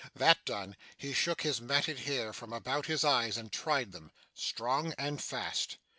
That done, he shook his matted hair from about his eyes, and tried them. Strong and fast.